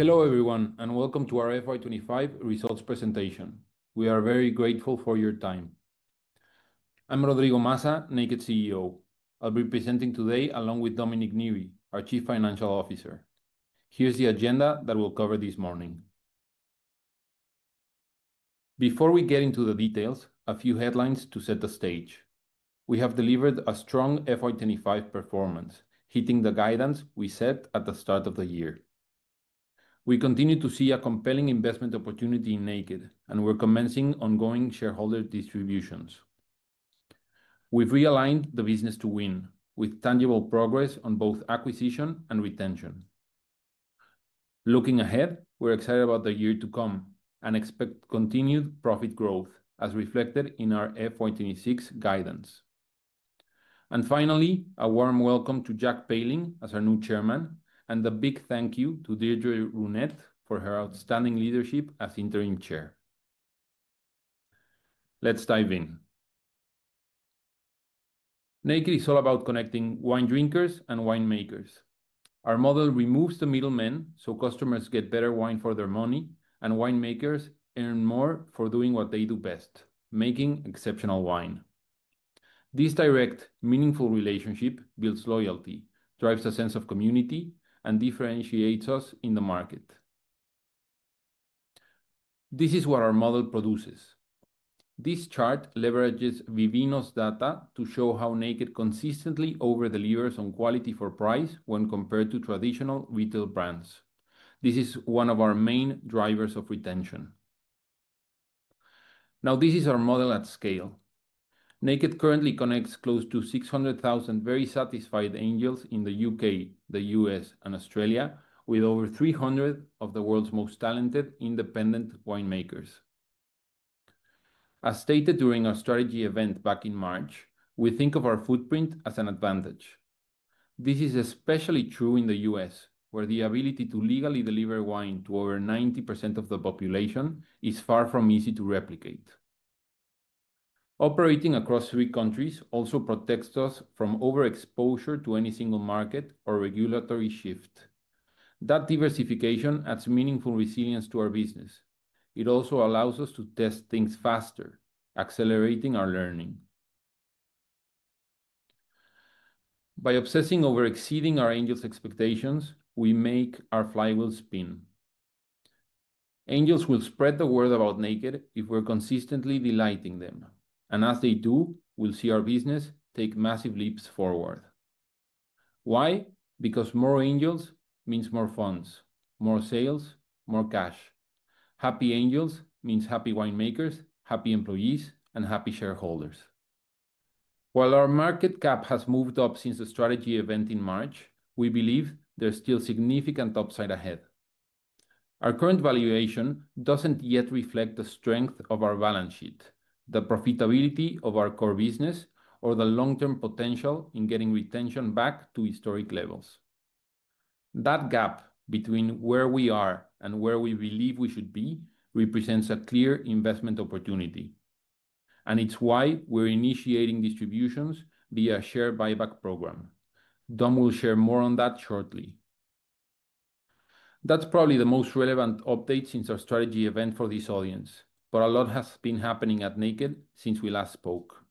Hello everyone, and welcome to our FY 2025 Results Presentation. We are very grateful for your time. I'm Rodrigo Maza, Naked CEO. I'll be presenting today along with Dominic Neary, our Chief Financial Officer. Here's the agenda that we'll cover this morning. Before we get into the details, a few headlines to set the stage. We have delivered a strong FY 2025 performance, hitting the guidance we set at the start of the year. We continue to see a compelling investment opportunity in Naked, and we're commencing ongoing shareholder distributions. We've realigned the business to win, with tangible progress on both acquisition and retention. Looking ahead, we're excited about the year to come and expect continued profit growth, as reflected in our FY 2026 guidance. Finally, a warm welcome to Jack Pailing as our new Chairman, and a big thank you to Deirdre Runnette for her outstanding leadership as Interim Chair. Let's dive in. Naked is all about connecting wine drinkers and winemakers. Our model removes the middlemen, so customers get better wine for their money, and winemakers earn more for doing what they do best: making exceptional wine. This direct, meaningful relationship builds loyalty, drives a sense of community, and differentiates us in the market. This is what our model produces. This chart leverages Vivino's data to show how Naked consistently over-delivers on quality for price when compared to traditional retail brands. This is one of our main drivers of retention. Now, this is our model at scale. Naked currently connects close to 600,000 very satisfied Angels in the U.K., the U.S., and Australia, with over 300 of the world's most talented, independent winemakers. As stated during our strategy event back in March, we think of our footprint as an advantage. This is especially true in the U.S., where the ability to legally deliver wine to over 90% of the population is far from easy to replicate. Operating across three countries also protects us from overexposure to any single market or regulatory shift. That diversification adds meaningful resilience to our business. It also allows us to test things faster, accelerating our learning. By obsessing over exceeding our Angels' expectations, we make our flywheel spin. Angels will spread the word about Naked if we're consistently delighting them. As they do, we'll see our business take massive leaps forward. Why? Because more Angels means more funds, more sales, more cash. Happy Angels means happy winemakers, happy employees, and happy shareholders. While our market cap has moved up since the strategy event in March, we believe there's still significant upside ahead. Our current valuation doesn't yet reflect the strength of our balance sheet, the profitability of our core business, or the long-term potential in getting retention back to historic levels. That gap between where we are and where we believe we should be represents a clear investment opportunity. It is why we're initiating distributions via a share buyback program. Dom will share more on that shortly. That is probably the most relevant update since our strategy event for this audience, but a lot has been happening at Naked since we last spoke.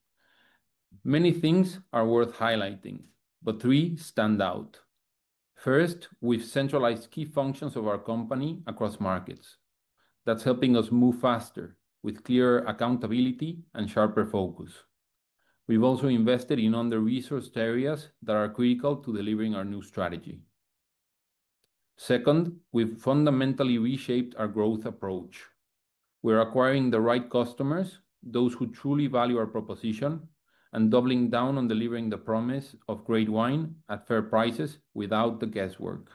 Many things are worth highlighting, but three stand out. First, we've centralized key functions of our company across markets. That is helping us move faster, with clearer accountability and sharper focus. We've also invested in under-resourced areas that are critical to delivering our new strategy. Second, we've fundamentally reshaped our growth approach. We're acquiring the right customers, those who truly value our proposition, and doubling down on delivering the promise of great wine at fair prices without the guesswork.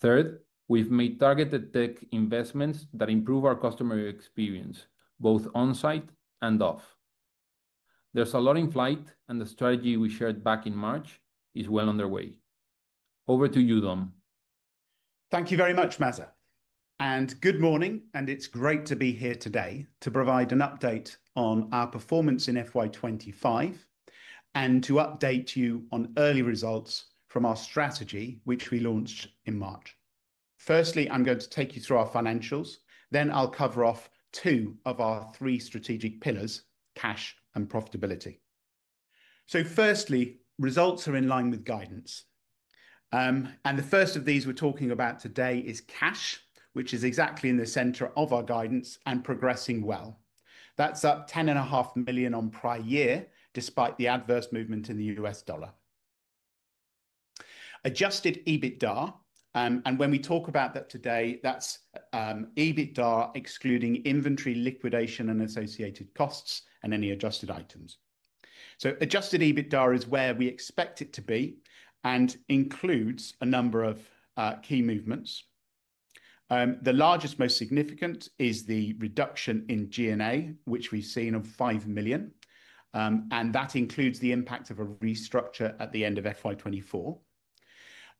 Third, we've made targeted tech investments that improve our customer experience, both on-site and off. There is a lot in flight, and the strategy we shared back in March is well underway. Over to you, Dom. Thank you very much, Maza. Good morning, and it's great to be here today to provide an update on our performance in FY 2025 and to update you on early results from our strategy, which we launched in March. Firstly, I'm going to take you through our financials. Then I'll cover off two of our three strategic pillars: cash and profitability. Firstly, results are in line with guidance. The first of these we're talking about today is cash, which is exactly in the center of our guidance and progressing well. That's up 10.5 million on prior year, despite the adverse movement in the U.S. dollar. Adjusted EBITDA, and when we talk about that today, that's EBITDA excluding inventory liquidation and associated costs and any adjusted items. Adjusted EBITDA is where we expect it to be and includes a number of key movements. The largest, most significant, is the reduction in G&A, which we've seen of 5 million. That includes the impact of a restructure at the end of FY 2024.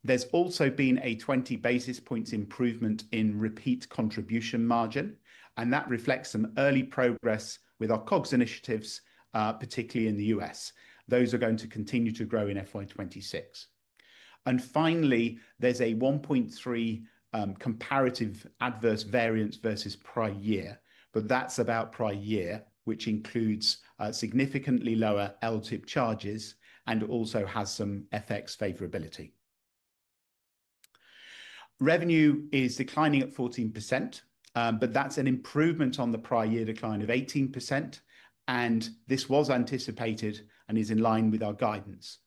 There's also been a 20 basis points improvement in repeat contribution margin, and that reflects some early progress with our COGS initiatives, particularly in the U.S. Those are going to continue to grow in FY 2026. Finally, there's a 1.3 million comparative adverse variance versus prior year, but that's about prior year, which includes significantly lower LTIP charges and also has some FX favorability. Revenue is declining at 14%, but that's an improvement on the prior year decline of 18%, and this was anticipated and is in line with our guidance.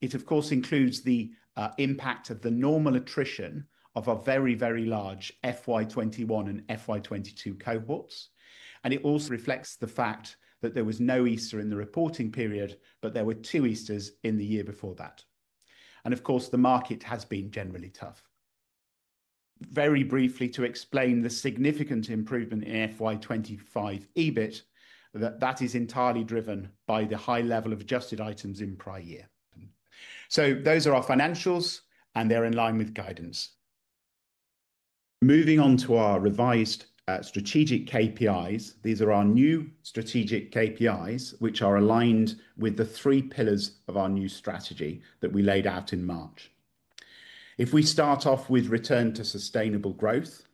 It, of course, includes the impact of the normal attrition of our very, very large FY 2021 and FY 2022 cohorts, and it also reflects the fact that there was no Easter in the reporting period, but there were two Easters in the year before that. The market has been generally tough. Very briefly, to explain the significant improvement in FY 2025 EBIT, that is entirely driven by the high level of adjusted items in prior year. Those are our financials, and they're in line with guidance. Moving on to our revised strategic KPIs, these are our new strategic KPIs, which are aligned with the three pillars of our new strategy that we laid out in March. If we start off with return to sustainable growth,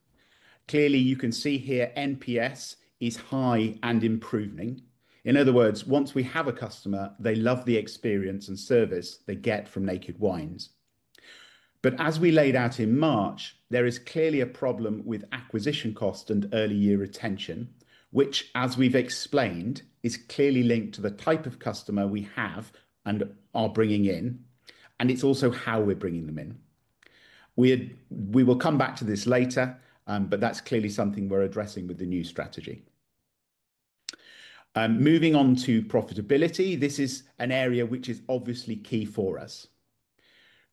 clearly you can see here NPS is high and improving. In other words, once we have a customer, they love the experience and service they get from Naked Wines. As we laid out in March, there is clearly a problem with acquisition cost and early-year retention, which, as we've explained, is clearly linked to the type of customer we have and are bringing in, and it's also how we're bringing them in. We will come back to this later, but that's clearly something we're addressing with the new strategy. Moving on to profitability, this is an area which is obviously key for us.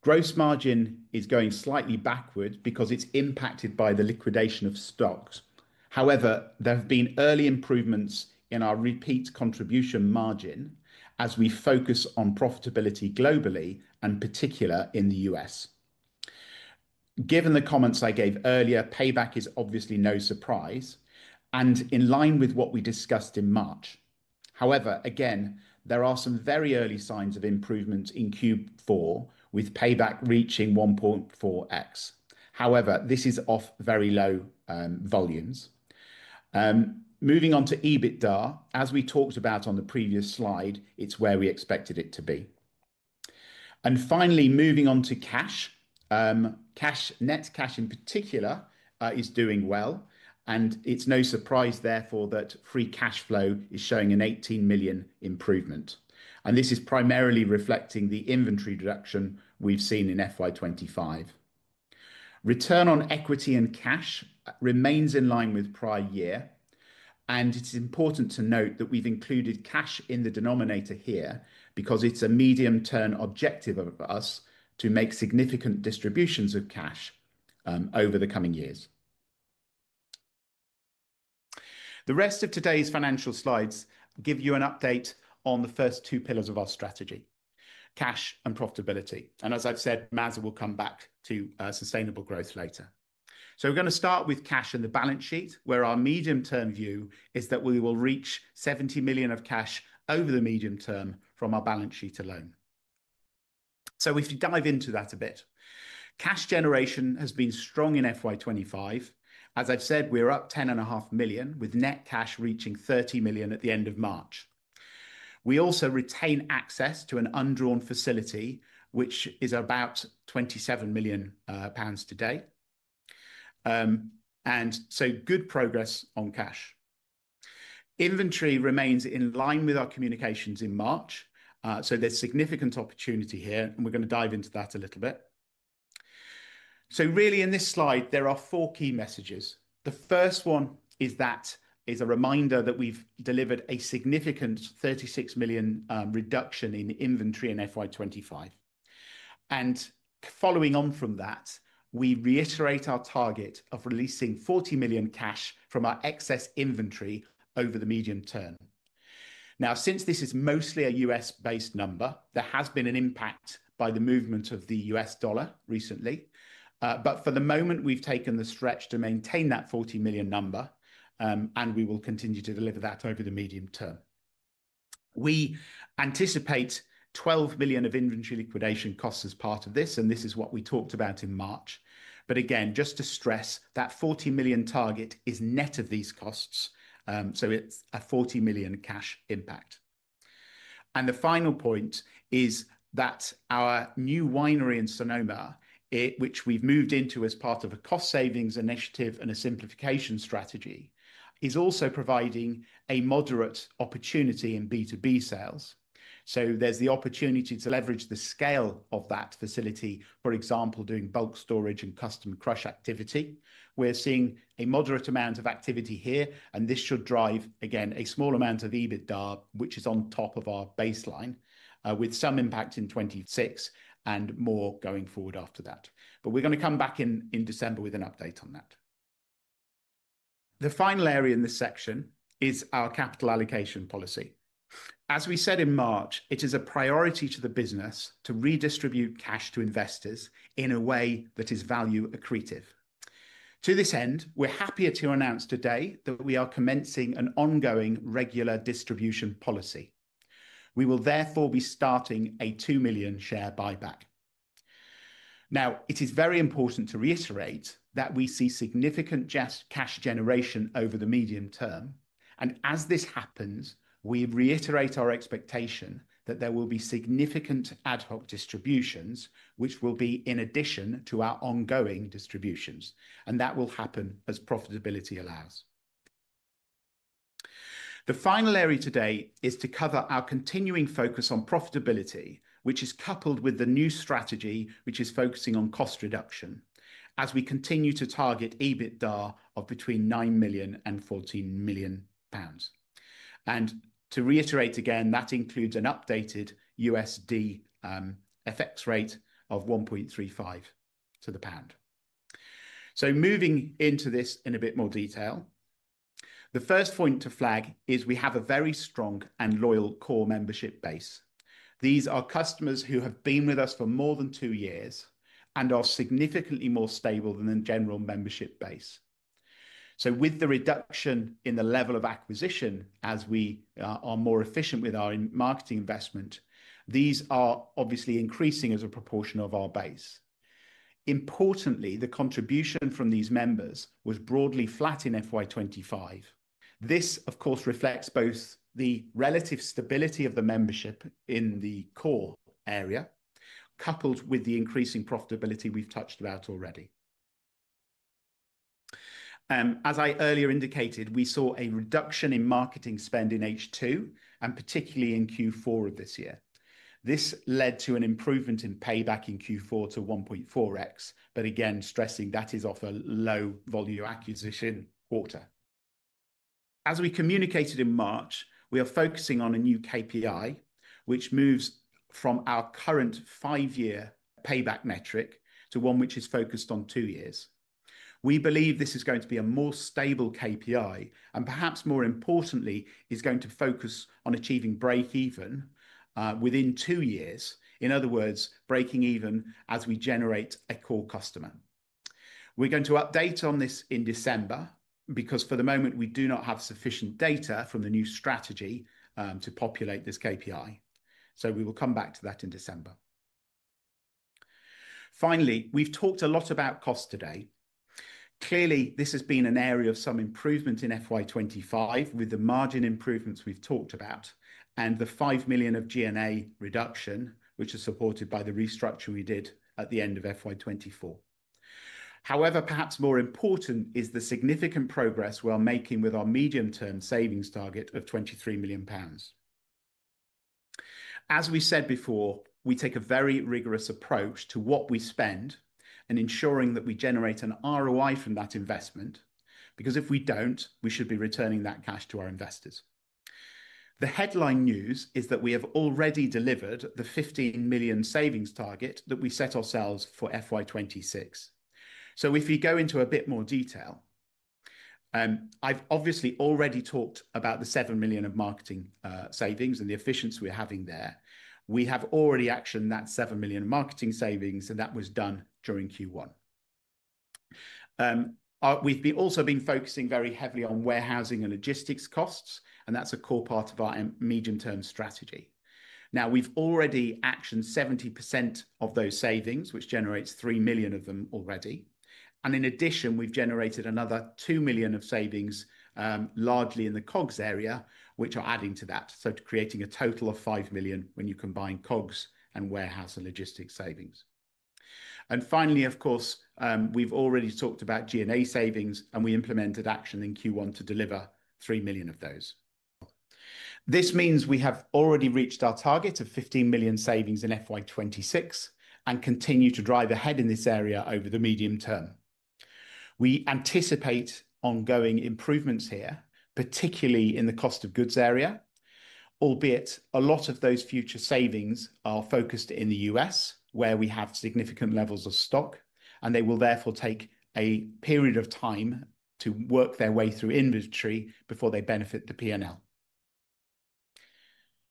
Gross margin is going slightly backward because it's impacted by the liquidation of stocks. However, there have been early improvements in our repeat contribution margin as we focus on profitability globally and particularly in the U.S. Given the comments I gave earlier, payback is obviously no surprise and in line with what we discussed in March. However, again, there are some very early signs of improvement in Q4 with payback reaching 1.4x. This is off very low volumes. Moving on to EBITDA, as we talked about on the previous slide, it's where we expected it to be. Finally, moving on to cash, net cash in particular is doing well, and it's no surprise, therefore, that free cash flow is showing an 18 million improvement. This is primarily reflecting the inventory reduction we've seen in FY 2025. Return on equity and cash remains in line with prior year, and it's important to note that we've included cash in the denominator here because it's a medium-term objective of us to make significant distributions of cash over the coming years. The rest of today's financial slides give you an update on the first two pillars of our strategy: cash and profitability. As I've said, Maza will come back to sustainable growth later. We're going to start with cash and the balance sheet, where our medium-term view is that we will reach 70 million of cash over the medium term from our balance sheet alone. We should dive into that a bit. Cash generation has been strong in FY 2025. As I've said, we're up 10.5 million, with net cash reaching 30 million at the end of March. We also retain access to an undrawn facility, which is about 27 million pounds today. Good progress on cash. Inventory remains in line with our communications in March, so there's significant opportunity here, and we're going to dive into that a little bit. In this slide, there are four key messages. The first one is that it's a reminder that we've delivered a significant 36 million reduction in inventory in FY 2025. Following on from that, we reiterate our target of releasing 40 million cash from our excess inventory over the medium term. Now, since this is mostly a U.S.-based number, there has been an impact by the movement of the U.S. dollar recently. For the moment, we've taken the stretch to maintain that 40 million number, and we will continue to deliver that over the medium term. We anticipate 12 million of inventory liquidation costs as part of this, and this is what we talked about in March. Just to stress, that 40 million target is net of these costs, so it's a 40 million cash impact. The final point is that our new winery in Sonoma, which we've moved into as part of a cost savings initiative and a simplification strategy, is also providing a moderate opportunity in B2B sales. There is the opportunity to leverage the scale of that facility, for example, doing bulk storage and custom crush activity. We're seeing a moderate amount of activity here, and this should drive a small amount of EBITDA, which is on top of our baseline, with some impact in 2026, and more going forward after that. We are going to come back in December with an update on that. The final area in this section is our capital allocation policy. As we said in March, it is a priority to the business to redistribute cash to investors in a way that is value accretive. To this end, we're happy to announce today that we are commencing an ongoing regular distribution policy. We will therefore be starting a 2 million share buyback. It is very important to reiterate that we see significant cash generation over the medium term. As this happens, we reiterate our expectation that there will be significant ad hoc distributions, which will be in addition to our ongoing distributions. That will happen as profitability allows. The final area today is to cover our continuing focus on profitability, which is coupled with the new strategy, which is focusing on cost reduction, as we continue to target EBITDA of between 9 million and 14 million pounds. To reiterate again, that includes an updated USD FX rate of $1.35 to the pound. Moving into this in a bit more detail, the first point to flag is we have a very strong and loyal core membership base. These are customers who have been with us for more than two years and are significantly more stable than the general membership base. With the reduction in the level of acquisition, as we are more efficient with our marketing investment, these are obviously increasing as a proportion of our base. Importantly, the contribution from these members was broadly flat in FY 2025. This, of course, reflects both the relative stability of the membership in the core area, coupled with the increasing profitability we've touched about already. As I earlier indicated, we saw a reduction in marketing spend in H2, and particularly in Q4 of this year. This led to an improvement in payback in Q4 to 1.4x, but again, stressing that is off a low-volume acquisition quarter. As we communicated in March, we are focusing on a new KPI, which moves from our current five-year payback metric to one which is focused on two years. We believe this is going to be a more stable KPI, and perhaps more importantly, is going to focus on achieving break-even within two years. In other words, breaking even as we generate a core customer. We're going to update on this in December because for the moment, we do not have sufficient data from the new strategy to populate this KPI. We will come back to that in December. Finally, we've talked a lot about cost today. Clearly, this has been an area of some improvement in FY 2025, with the margin improvements we've talked about and the 5 million of G&A reduction, which is supported by the restructure we did at the end of FY 2024. However, perhaps more important is the significant progress we're making with our medium-term savings target of 23 million pounds. As we said before, we take a very rigorous approach to what we spend and ensuring that we generate an ROI from that investment, because if we don't, we should be returning that cash to our investors. The headline news is that we have already delivered the 15 million savings target that we set ourselves for FY 2026. If you go into a bit more detail, I've obviously already talked about the 7 million of marketing savings and the efficiency we're having there. We have already actioned that 7 million of marketing savings, and that was done during Q1. We've also been focusing very heavily on warehousing and logistics costs, and that's a core part of our medium-term strategy. We've already actioned 70% of those savings, which generates 3 million of them already. In addition, we've generated another 2 million of savings, largely in the COGS area, which are adding to that, creating a total of 5 million when you combine COGS and warehouse and logistics savings. We've already talked about G&A savings, and we implemented action in Q1 to deliver 3 million of those. This means we have already reached our target of 15 million savings in FY 2026 and continue to drive ahead in this area over the medium term. We anticipate ongoing improvements here, particularly in the cost of goods area, albeit a lot of those future savings are focused in the U.S., where we have significant levels of stock, and they will therefore take a period of time to work their way through inventory before they benefit the P&L.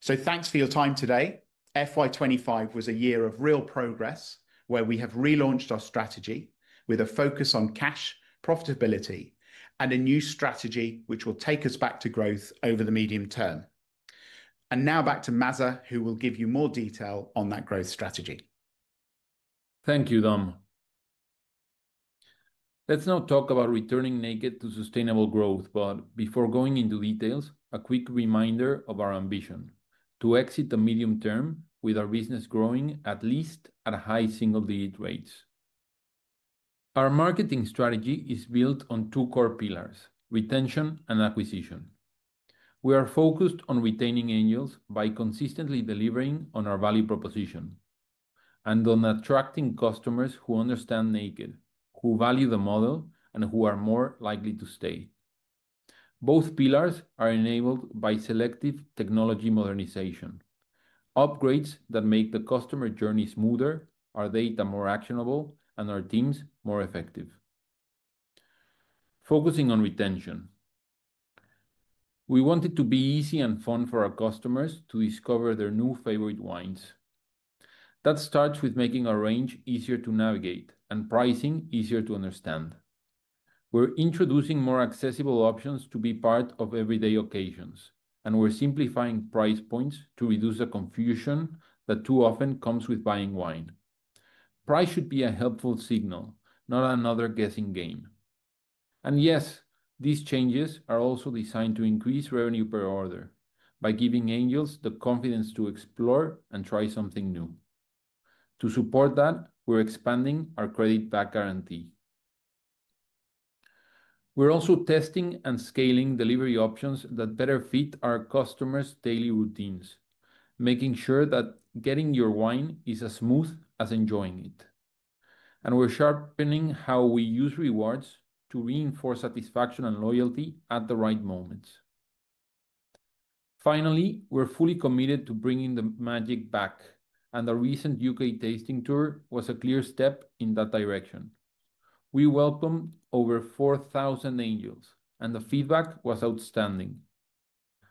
Thanks for your time today. FY2025 was a year of real progress, where we have relaunched our strategy with a focus on cash, profitability, and a new strategy which will take us back to growth over the medium term. Now back to Maza, who will give you more detail on that growth strategy. Thank you, Dom. Let's now talk about returning Naked to sustainable growth. Before going into details, a quick reminder of our ambition: to exit the medium term with our business growing at least at high single-digit rates. Our marketing strategy is built on two core pillars: retention and acquisition. We are focused on retaining Angels by consistently delivering on our value proposition and on attracting customers who understand Naked, who value the model, and who are more likely to stay. Both pillars are enabled by selective technology modernization, upgrades that make the customer journey smoother, our data more actionable, and our teams more effective. Focusing on retention, we want it to be easy and fun for our customers to discover their new favorite wines. That starts with making our range easier to navigate and pricing easier to understand. We're introducing more accessible options to be part of everyday occasions, and we're simplifying price points to reduce the confusion that too often comes with buying wine. Price should be a helpful signal, not another guessing game. These changes are also designed to increase revenue per order by giving Angels the confidence to explore and try something new. To support that, we're expanding our credit back guarantee. We're also testing and scaling delivery options that better fit our customers' daily routines, making sure that getting your wine is as smooth as enjoying it. We're sharpening how we use rewards to reinforce satisfaction and loyalty at the right moments. Finally, we're fully committed to bringing the magic back, and the recent U.K. tasting tour was a clear step in that direction. We welcomed over 4,000 Angels, and the feedback was outstanding.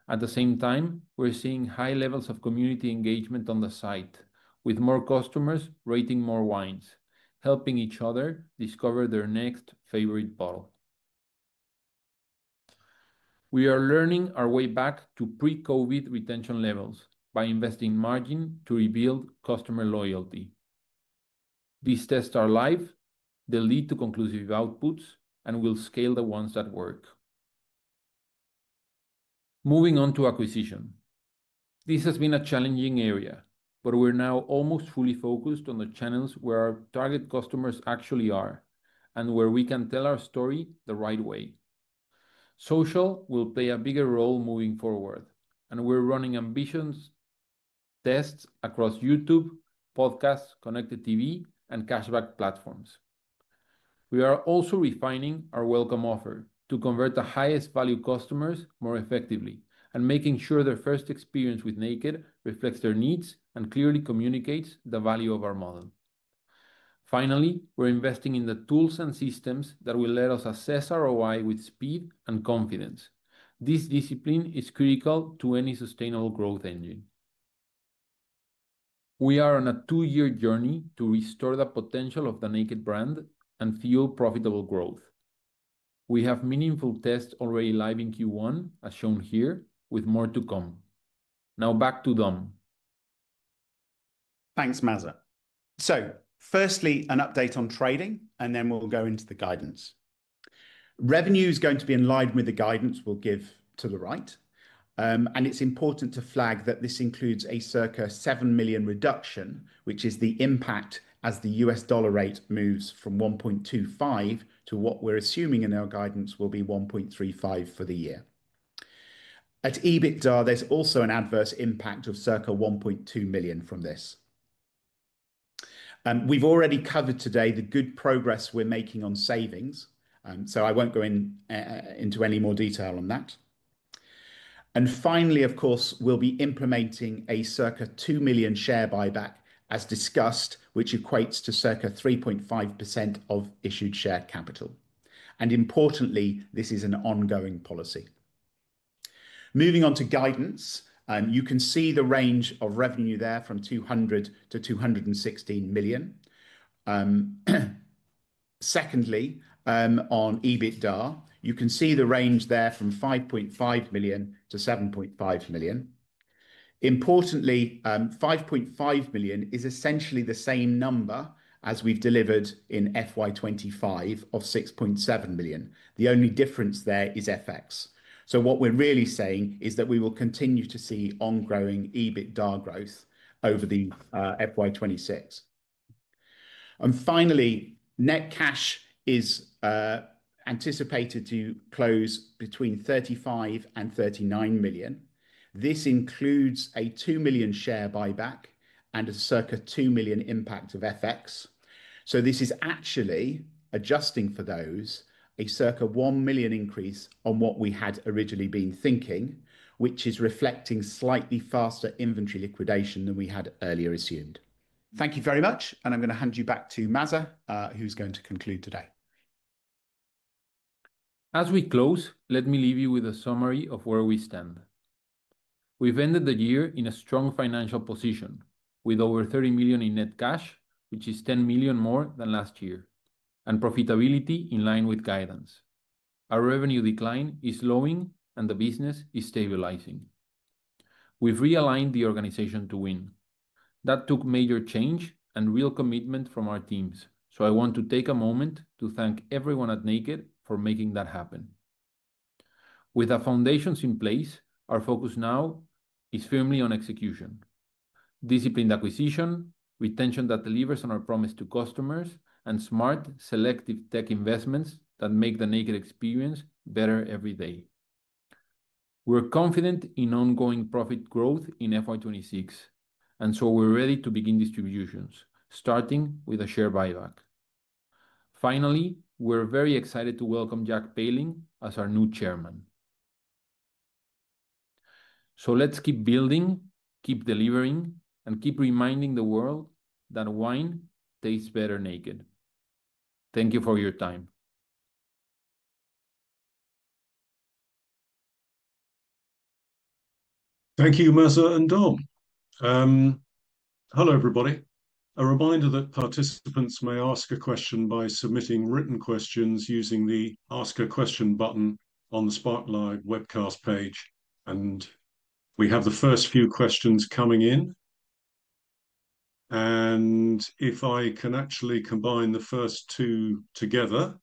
At the same time, we're seeing high levels of community engagement on the site, with more customers rating more wines, helping each other discover their next favorite bottle. We are learning our way back to pre-COVID retention levels by investing margin to rebuild customer loyalty. These tests are live, they lead to conclusive outputs, and we'll scale the ones that work. Moving on to acquisition, this has been a challenging area, but we're now almost fully focused on the channels where our target customers actually are and where we can tell our story the right way. Social will play a bigger role moving forward, and we're running ambition tests across YouTube, podcasts, connected TV, and cashback platforms. We are also refining our welcome offer to convert the highest value customers more effectively and making sure their first experience with Naked reflects their needs and clearly communicates the value of our model. We're investing in the tools and systems that will let us assess ROI with speed and confidence. This discipline is critical to any sustainable growth engine. We are on a two-year journey to restore the potential of the Naked brand and fuel profitable growth. We have meaningful tests already live in Q1, as shown here, with more to come. Now back to Dom. Thanks, Maza. Firstly, an update on trading, and then we'll go into the guidance. Revenue is going to be in line with the guidance we'll give to the right. It's important to flag that this includes a circa 7 million reduction, which is the impact as the U.S. dollar rate moves from $1.25 to what we're assuming in our guidance will be $1.35 for the year. At EBITDA, there's also an adverse impact of circa 1.2 million from this. We've already covered today the good progress we're making on savings, so I won't go into any more detail on that. Finally, of course, we'll be implementing a circa 2 million share buyback, as discussed, which equates to circa 3.5% of issued share capital. Importantly, this is an ongoing policy. Moving on to guidance, you can see the range of revenue there from 200 million-216 million. Secondly, on EBITDA, you can see the range there from 5.5 million-7.5 million. Importantly, 5.5 million is essentially the same number as we've delivered in FY 2025 of 6.7 million. The only difference there is FX. What we're really saying is that we will continue to see ongoing EBITDA growth over FY 2026. Finally, net cash is anticipated to close between 35 million and 39 million. This includes a 2 million share buyback and a circa 2 million impact of FX. Adjusting for those, this is actually a circa 1 million increase on what we had originally been thinking, which is reflecting slightly faster inventory liquidation than we had earlier assumed. Thank you very much, and I'm going to hand you back to Maza, who's going to conclude today. As we close, let me leave you with a summary of where we stand. We've ended the year in a strong financial position, with over 30 million in net cash, which is 10 million more than last year, and profitability in line with guidance. Our revenue decline is slowing, and the business is stabilizing. We've realigned the organization to win. That took major change and real commitment from our teams, so I want to take a moment to thank everyone at Naked for making that happen. With the foundations in place, our focus now is firmly on execution: disciplined acquisition, retention that delivers on our promise to customers, and smart, selective tech investments that make the Naked experience better every day. We're confident in ongoing profit growth in FY 2026, and we're ready to begin distributions, starting with a share buyback. Finally, we're very excited to welcome Jack Pailing as our new Chairman. Let's keep building, keep delivering, and keep reminding the world that wine tastes better naked. Thank you for your time. Thank you, Maza and Dom. Hello, everybody. A reminder that participants may ask a question by submitting written questions using the Ask a Question button on the Spotlight webcast page. We have the first few questions coming in. If I can actually combine the first two together,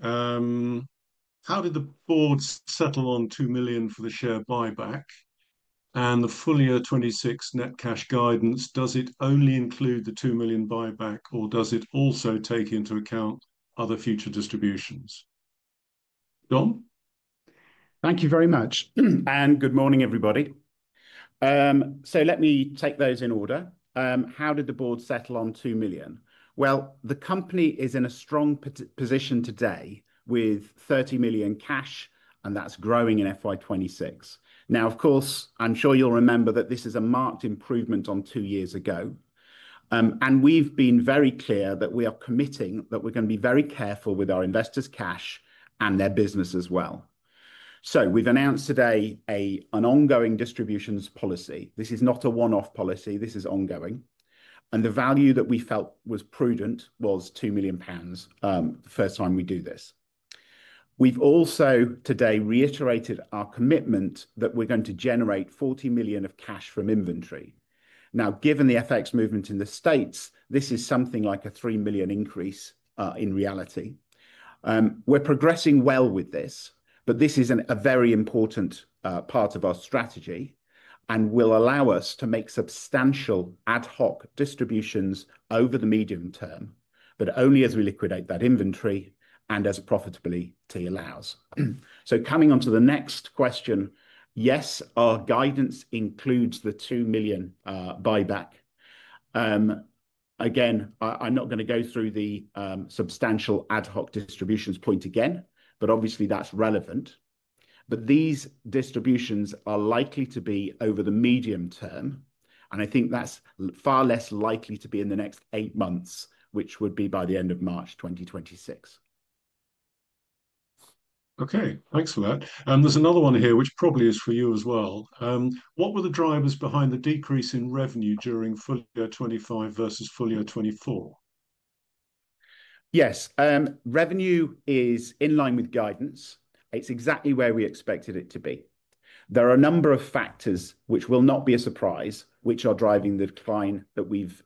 how did the board settle on 2 million for the share buyback? The full year 2026 net cash guidance, does it only include the 2 million buyback, or does it also take into account other future distributions? Dom? Thank you very much, and good morning, everybody. Let me take those in order. How did the board settle on 2 million? The company is in a strong position today with 30 million cash, and that's growing in FY 2026. Of course, I'm sure you'll remember that this is a marked improvement on two years ago. We've been very clear that we are committing that we're going to be very careful with our investors' cash and their business as well. We've announced today an ongoing distributions policy. This is not a one-off policy. This is ongoing. The value that we felt was prudent was 2 million pounds the first time we do this. We've also today reiterated our commitment that we're going to generate 40 million of cash from inventory. Given the FX movement in the U.S., this is something like a 3 million increase in reality. We're progressing well with this, but this is a very important part of our strategy and will allow us to make substantial ad hoc distributions over the medium term, but only as we liquidate that inventory and as profitability allows. Coming on to the next question, yes, our guidance includes the 2 million buyback. Again, I'm not going to go through the substantial ad hoc distributions point again, but obviously that's relevant. These distributions are likely to be over the medium term, and I think that's far less likely to be in the next eight months, which would be by the end of March 2026. OK, thanks for that. There's another one here, which probably is for you as well. What were the drivers behind the decrease in revenue during full year 2025 versus full year 2024? Yes, revenue is in line with guidance. It's exactly where we expected it to be. There are a number of factors, which will not be a surprise, which are driving the decline that we've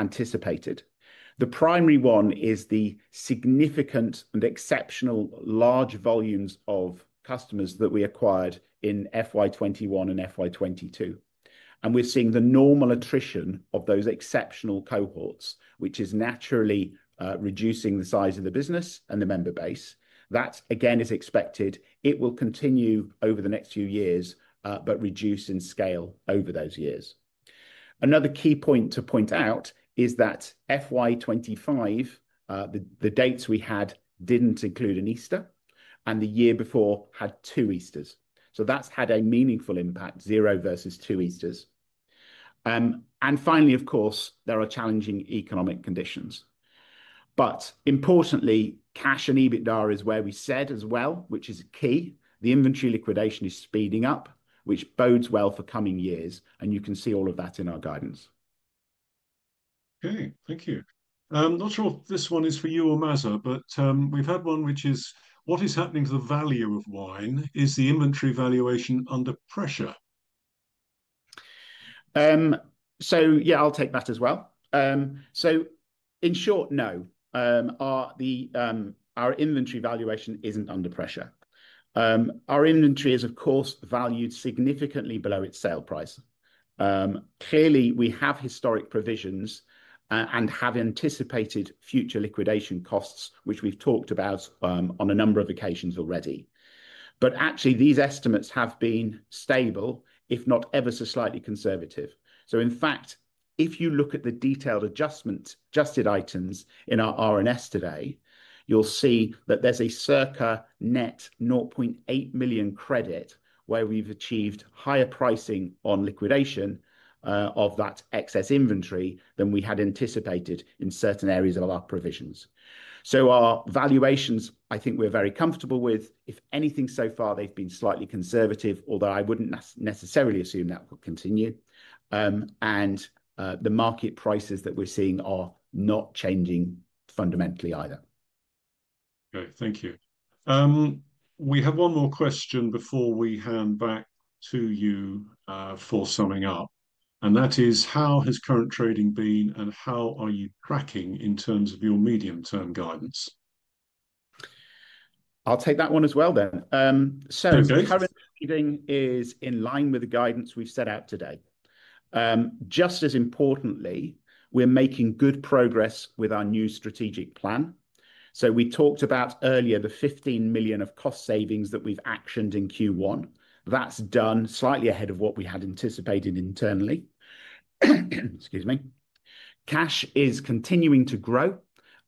anticipated. The primary one is the significant and exceptional large volumes of customers that we acquired in FY 2021 and FY 2022. We're seeing the normal attrition of those exceptional customer cohorts, which is naturally reducing the size of the business and the member base. That again is expected. It will continue over the next few years, but reduce in scale over those years. Another key point to point out is that FY 2025, the dates we had didn't include an Easter, and the year before had two Easters. That's had a meaningful impact, zero versus two Easters. Finally, of course, there are challenging economic conditions. Importantly, cash and EBITDA is where we said as well, which is key. The inventory liquidation is speeding up, which bodes well for coming years, and you can see all of that in our guidance. OK, thank you. I'm not sure if this one is for you or Maza, but we've had one which is, what is happening to the value of wine? Is the inventory valuation under pressure? I'll take that as well. In short, no, our inventory valuation isn't under pressure. Our inventory is, of course, valued significantly below its sale price. Clearly, we have historic provisions and have anticipated future liquidation costs, which we've talked about on a number of occasions already. Actually, these estimates have been stable, if not ever so slightly conservative. In fact, if you look at the detailed adjusted items in our R&S today, you'll see that there's a circa net 0.8 million credit where we've achieved higher pricing on liquidation of that excess inventory than we had anticipated in certain areas of our provisions. Our valuations, I think we're very comfortable with. If anything so far, they've been slightly conservative, although I wouldn't necessarily assume that will continue. The market prices that we're seeing are not changing fundamentally either. OK, thank you. We have one more question before we hand back to you for summing up. That is, how has current trading been, and how are you tracking in terms of your medium-term guidance? I'll take that one as well, then. Current trading is in line with the guidance we've set out today. Just as importantly, we're making good progress with our new strategic plan. We talked about earlier the 15 million of cost savings that we've actioned in Q1. That's done slightly ahead of what we had anticipated internally. Excuse me. Cash is continuing to grow,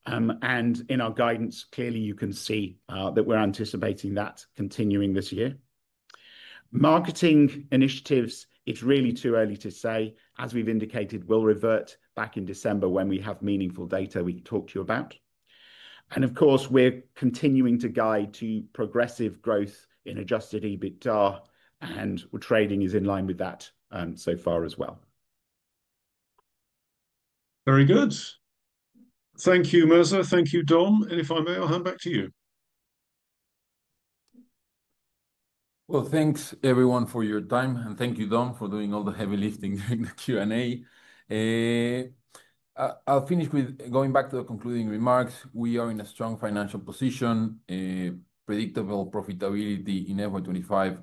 and in our guidance, clearly you can see that we're anticipating that continuing this year. Marketing initiatives, it's really too early to say. As we've indicated, we'll revert back in December when we have meaningful data we can talk to you about. Of course, we're continuing to guide to progressive growth in adjusted EBITDA, and trading is in line with that so far as well. Very good. Thank you, Maza. Thank you, Dom. If I may, I'll hand back to you. Thank you, everyone, for your time. Thank you, Dom, for doing all the heavy lifting during the Q&A. I'll finish with going back to the concluding remarks. We are in a strong financial position, predictable profitability in FY 2025,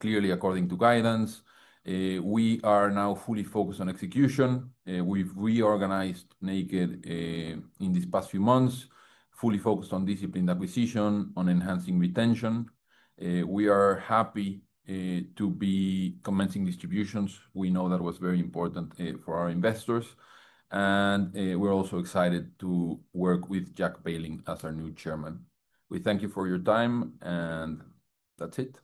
clearly according to guidance. We are now fully focused on execution. We've reorganized Naked Wines in these past few months, fully focused on disciplined acquisition, on enhancing retention. We are happy to be commencing distributions. We know that was very important for our investors. We're also excited to work with Jack Pailing as our new Chairman. We thank you for your time, and that's it.